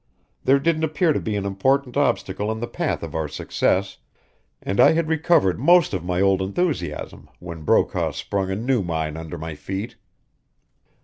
There didn't appear to be an important obstacle in the path of our success, and I had recovered most of my old enthusiasm when Brokaw sprung a new mine under my feet.